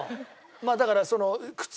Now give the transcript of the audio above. まあだからその靴。